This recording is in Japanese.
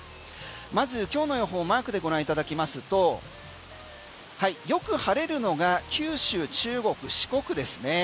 まず今日の予報マークでご覧いただきますとよく晴れるのが九州、中国、四国ですね